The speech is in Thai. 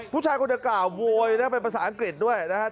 ผู้ชายคนดังกล่าวโวยนะเป็นภาษาอังกฤษด้วยนะครับ